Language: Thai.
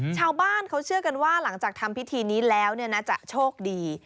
ชาวบ้านเขาเชื่อกันว่าหลังจากทำพิธีนี้แล้วจะโชคดี